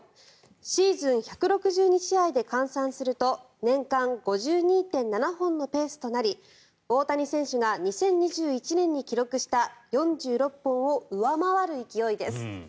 シーズン１６２試合で換算すると年間５２．７本のペースとなり大谷選手が２０２１年に記録した４６本を上回る勢いです。